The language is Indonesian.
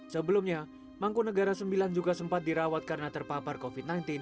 sebelumnya mangkunegara sembilan juga sempat dirawat karena terpapar covid sembilan belas